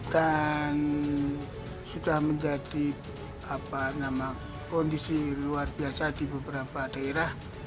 dan sudah menjadi kondisi luar biasa di beberapa daerah